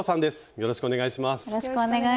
よろしくお願いします。